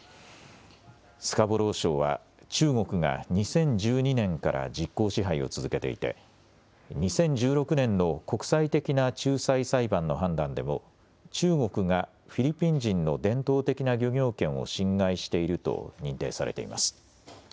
スカボロー礁は中国が２０１２年から実効支配を続けていて２０１６年の国際的な仲裁裁判の判断でも中国がフィリピン人の伝統的な漁業権を侵害していると認定されています。